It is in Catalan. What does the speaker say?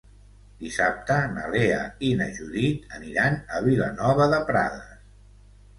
Dissabte na Lea i na Judit aniran a Vilanova de Prades.